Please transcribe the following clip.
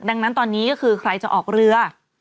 ดังนั้นตอนนี้ก็คือใครจะออกเรือ